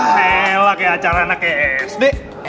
helak ya acaranya kayak sd